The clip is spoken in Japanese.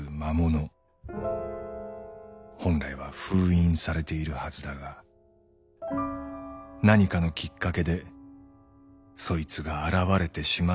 本来は封印されているはずだが何かのきっかけでそいつが現れてしまったとしたら。